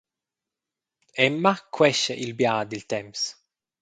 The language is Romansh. Emma quescha il bia dil temps.